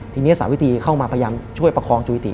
ทีนี้สาวิตรีเข้ามาพยายามช่วยประคองจุยติ